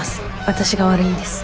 私が悪いんです。